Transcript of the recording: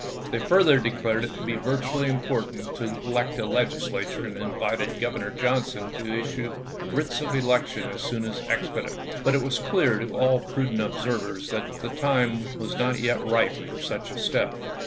They further declared it to be vitally important to elect a Legislature and invited Governor Johnson to issue writs of election as soon as expedient. But it was clear to all prudent ob servers that the time was not yet ripe for such a step.